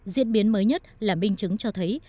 diễn biến mới nhất là minh chứng cho thấy